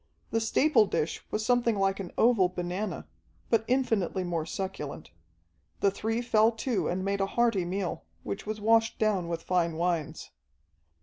The staple dish was something like an oval banana, but infinitely more succulent. The three fell to and made a hearty meal, which was washed down with fine wines.